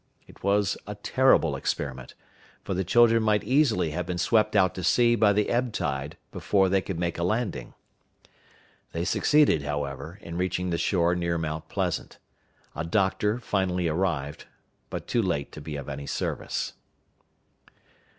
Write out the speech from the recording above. It was a terrible experiment, for the children might easily have been swept out to sea by the ebb tide before they could make a landing. They succeeded, however, in reaching the shore near Mount Pleasant. A doctor finally arrived, but too late to be of any service.